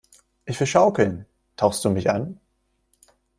Ich will schaukeln! Tauchst du mich an?